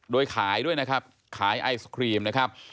โดยขายด้วยนะครับขายไอศครีมนะครับ